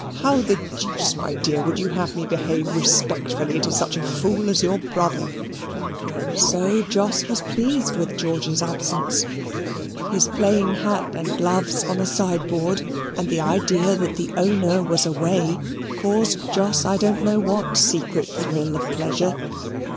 How the deuce, my dear, would you have me behave respectfully to such a fool as your brother?" So Jos was pleased with George's absence. His plain hat, and gloves on a sideboard, and the idea that the owner was away, caused Jos I don't know what secret thrill of pleasure.